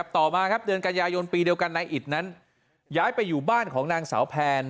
ต่อมาครับเดือนกันยายนปีเดียวกันนายอิตนั้นย้ายไปอยู่บ้านของนางสาวแพน